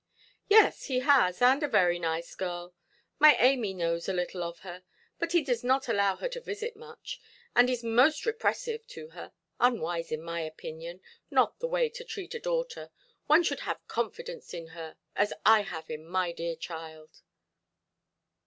"Yes, he has, and a very nice girl. My Amy knows a little of her. But he does not allow her to visit much, and is most repressive to her. Unwise, in my opinion; not the way to treat a daughter; one should have confidence in her, as I have in my dear child".